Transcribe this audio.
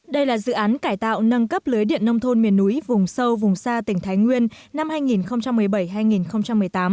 đây là dự án cải tạo nâng cấp lưới điện nông thôn miền núi vùng sâu vùng xa tỉnh thái nguyên năm hai nghìn một mươi bảy hai nghìn một mươi tám